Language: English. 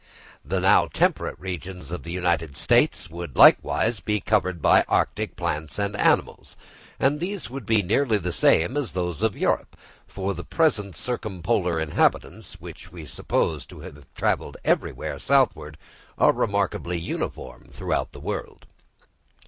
The now temperate regions of the United States would likewise be covered by arctic plants and animals and these would be nearly the same with those of Europe; for the present circumpolar inhabitants, which we suppose to have everywhere travelled southward, are remarkably uniform round the world.